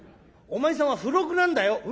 お前さんは付録なんだよ」。